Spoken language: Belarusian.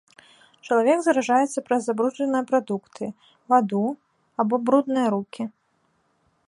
Чалавек заражаецца праз забруджаныя прадукты, ваду або брудныя рукі.